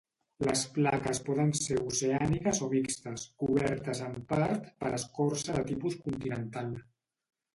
Les plaques poden ser oceàniques o mixtes, cobertes en part per escorça de tipus continental.